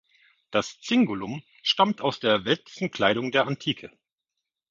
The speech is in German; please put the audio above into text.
Das Zingulum stammt aus der weltlichen Kleidung der Antike.